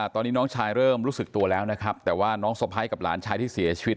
ตอนนี้น้องชายเริ่มรู้สึกตัวแล้วนะครับแต่ว่าน้องสะพ้ายกับหลานชายที่เสียชีวิต